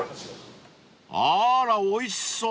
［あーらおいしそう］